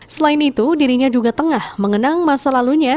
selain itu dirinya juga tengah mengenang masa lalunya